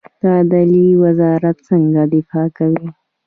د عدلیې وزارت څنګه دفاع کوي؟